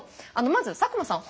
まず佐久間さん。